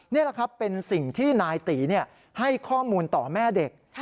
นี่แหละครับเป็นสิ่งที่นายตีให้ข้อมูลต่อแม่เด็ก